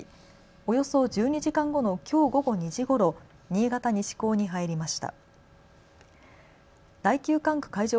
およそ１２時間後のきょう午後２時ごろ新潟西港に入りました。